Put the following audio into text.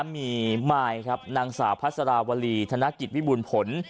มีไมล์นางสาวพระสาราวรีธนกิจวิบุลผล